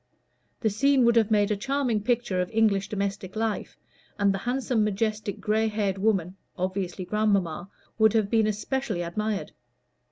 The scene would have made a charming picture of English domestic life, and the handsome, majestic, gray haired woman (obviously grandmamma) would have been especially admired.